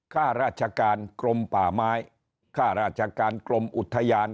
ข้าราชการกรมป่าไม้ค่าราชการกรมอุทยาน